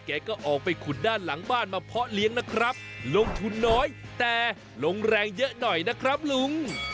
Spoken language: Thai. แกก็ออกไปขุดด้านหลังบ้านมาเพาะเลี้ยงนะครับลงทุนน้อยแต่ลงแรงเยอะหน่อยนะครับลุง